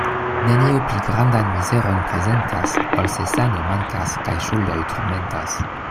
Nenio pli grandan mizeron prezentas, ol se sano mankas kaj ŝuldoj turmentas.